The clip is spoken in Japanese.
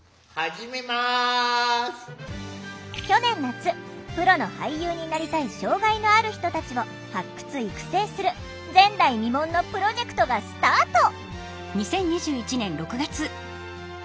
去年夏プロの俳優になりたい障害のある人たちを発掘・育成する前代未聞のプロジェクトがスタート！